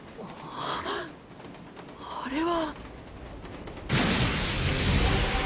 あれは。